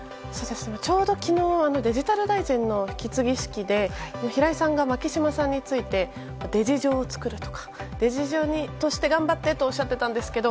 ちょうど昨日デジタル大臣の引き継ぎ式で平井さんが牧島さんについてデジ女を作るとかデジ女として頑張ってとおっしゃっていたんですけど